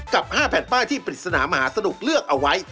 กับ๕แผ่นป้ายที่ปริศนามหาสนุกเลือกเอาไว้